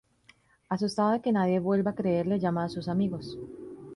Asustado de que nadie vuelva a creerle, llama a sus amigos.